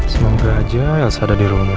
semoga aja harus ada di rumah